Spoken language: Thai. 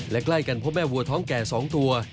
และใกล้กันพบแม่วัวท้องแก่๒ตัว